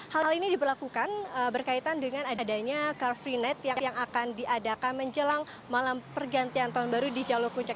hal hal ini diberlakukan berkaitan dengan adanya car free night yang akan diadakan menjelang malam pergantian tahun baru di jalur puncak